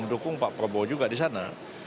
mendukung pak prabowo juga di sana